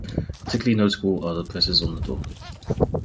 Particularly notable are the presses on the door.